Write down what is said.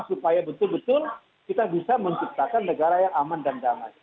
supaya betul betul kita bisa menciptakan negara yang aman dan damai